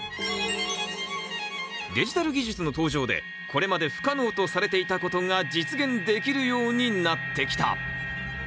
デジタル技術の登場でこれまで不可能とされていたことが実現できるようになってきた。